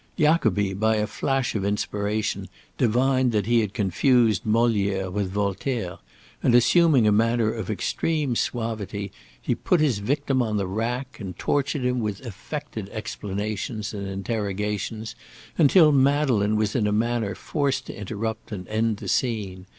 Jacobi, by a flash of inspiration, divined that he had confused Molière with Voltaire, and assuming a manner of extreme suavity, he put his victim on the rack, and tortured him with affected explanations and interrogations, until Madeleine was in a manner forced to interrupt and end the scene.